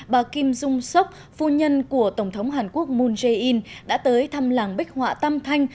bà kim dung sốc phu nhân của tổng thống hàn quốc moon jae in đã tới thăm làng bích họa tam thanh